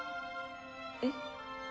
えっ？